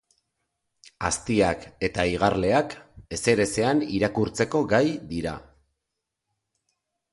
Aztiak eta igarleak ezerezean irakurtzeko gai dira.